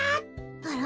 あら？